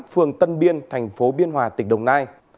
phường tân biên thành phố biên hòa tỉnh đồng nai